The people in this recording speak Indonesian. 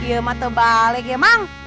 ya emang tebalik ya